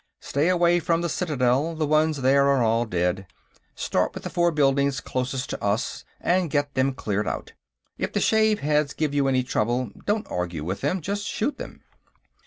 Stay away from the Citadel; the ones there are all dead. Start with the four buildings closest to us, and get them cleared out. If the shaveheads give you any trouble, don't argue with them, just shoot them...."